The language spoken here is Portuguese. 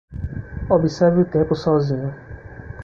Observe o tempo sozinho